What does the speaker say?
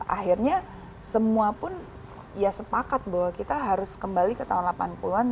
akhirnya semua pun ya sepakat bahwa kita harus kembali ke tahun delapan puluh an